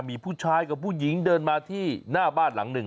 มีผู้ชายกับผู้หญิงเดินมาที่หน้าบ้านหลังหนึ่ง